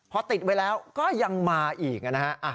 พอติดไว้แล้วก็ยังมาอีกนะฮะ